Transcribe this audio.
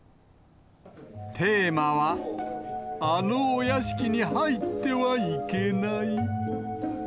テーマは、あのお屋敷にはいってはいけない。